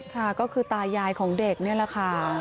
ค่ะก็คือตายายของเด็กนี่แหละค่ะ